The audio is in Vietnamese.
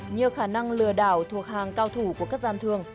nhiều khả năng lừa đảo thuộc hàng cao thủ của các gian thường